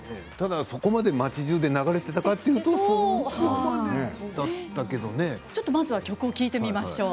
そこまで町じゅうで流れていたかというと曲を聴いてみましょう。